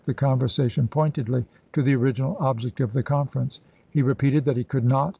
the conversation pointedly to the original object of the conference: "He repeated that he could not Feb.